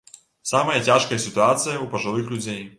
Самая цяжкая сітуацыя ў пажылых людзей.